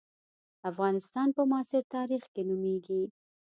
افغانستان په معاصر تاریخ کې نومېږي.